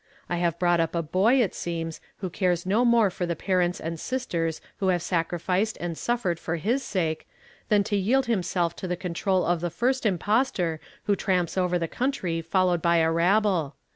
I have brought up a boy, it seems, who cares no more for the parents and sisters who have sacrificed and suffered for his sake, than to yield himself to the control of the fii st impostor who tramps over the country followed by a rabble.